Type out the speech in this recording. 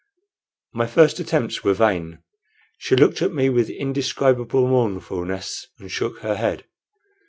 My first attempts were vain. She looked at me with indescribable mournfulness and shook her head.